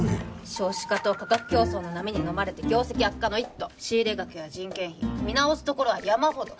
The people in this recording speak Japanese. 少子化と価格競争の波にのまれて業績悪化の一途仕入額や人件費見直すところは山ほど